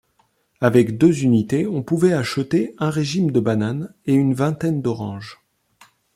Avec deux unités on pouvait acheter un régime de bananes ou une vingtaine d'oranges.